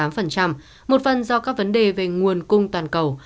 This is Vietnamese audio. một phần do các vấn đề về nguồn cung toàn cầu